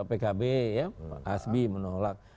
pkb ya asbi menolak